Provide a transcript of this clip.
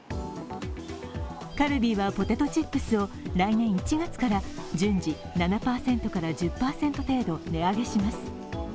カルビーはポテトチップスを来年１月から順次７１０％程度値上げします。